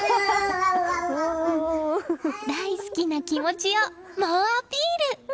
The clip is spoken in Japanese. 大好きな気持ちを猛アピール！